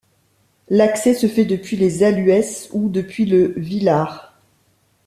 L'accès se fait depuis Les Allues ou depuis le Villard.